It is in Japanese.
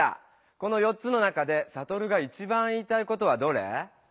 この４つの中でサトルが一番言いたいことはどれ？